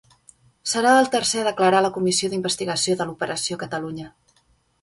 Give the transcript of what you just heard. Serà el tercer a declarar a la comissió d'investigació de l'Operació Catalunya